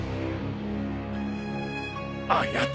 あやつ。